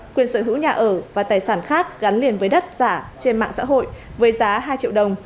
quyền sở hữu nhà ở và tài sản khác gắn liền với đất giả trên mạng xã hội với giá hai triệu đồng